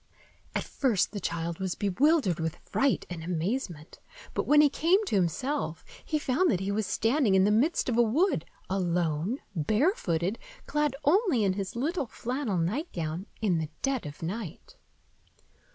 At first the child was bewildered with fright and amazement; but when he came to himself, he found that he was standing in the midst of a wood, alone, barefooted, clad only in his little flannel nightgown, in the dead of night.